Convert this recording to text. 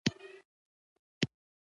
زه بشپړ یقین لرم چې دا لوی دروغ دي.